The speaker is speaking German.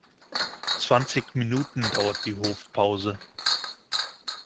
Zwanzig Minuten dauert die Hofpause.